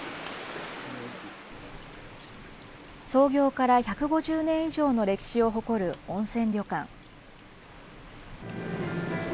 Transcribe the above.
創業から１５０年以上の歴史を誇る温泉旅館。